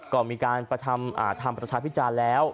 ก็มีการทำประชาพิจารณ์แล้ว